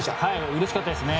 うれしかったですね。